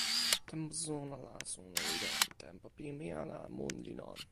tenpo suno la suno li lon. tenpo pimeja la mun li lon.